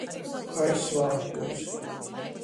Kai svātkūs.